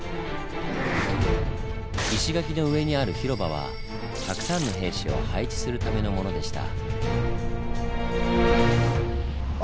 石垣の上にある広場はたくさんの兵士を配置するためのものでした。